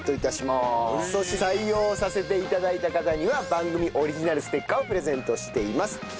そして採用させて頂いた方には番組オリジナルステッカーをプレゼントしています。